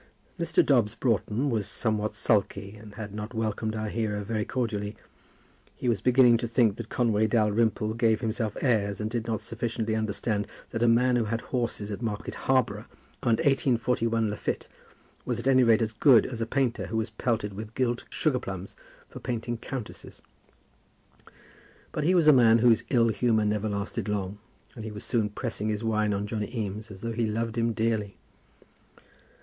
Mr. Dobbs Broughton was somewhat sulky and had not welcomed our hero very cordially. He was beginning to think that Conway Dalrymple gave himself airs and did not sufficiently understand that a man who had horses at Market Harboro' and '41 Lafitte was at any rate as good as a painter who was pelted with gilt sugar plums for painting countesses. But he was a man whose ill humour never lasted long, and he was soon pressing his wine on Johnny Eames as though he loved him dearly.